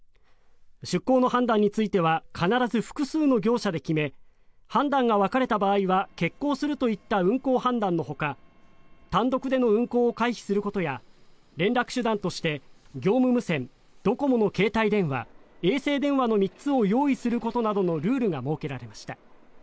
出港の判断については必ず複数の業者で決め判断が分かれた場合は欠航するといった運航判断のほか単独での運航を回避することや連絡手段として業務無線、ドコモの携帯電話衛星電話の３つを用意することなどのルールが設けられました。